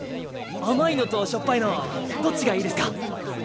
甘いのとしょっぱいのどっちがいいですか？